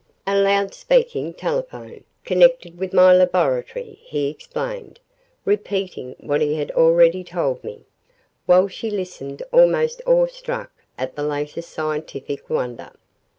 "A loud speaking telephone connected with my laboratory," he explained, repeating what he had already told me, while she listened almost awe struck at the latest scientific wonder.